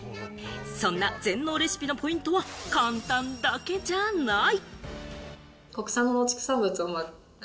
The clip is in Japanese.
そんな全農レシピのポイントは簡単だけじゃない！